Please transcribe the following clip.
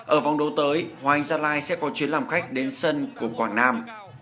ở vòng đấu tới hoành gia lai sẽ có chuyến làm khách đến sân của quảng nam